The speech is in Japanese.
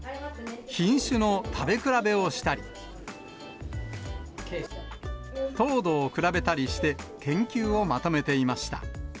品種の食べ比べをしたり、糖度を比べたりして、研究をまとめていました。